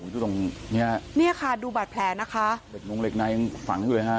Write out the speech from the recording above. ดูตรงเนี้ยะเนี้ยค่ะดูบัดแผลนะคะเด็กมองเหล็กในฝังทั้งทุกอย่างะ